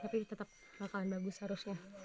tapi tetap bakalan bagus harusnya